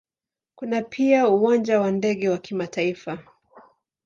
Kuna pia Uwanja wa ndege wa kimataifa.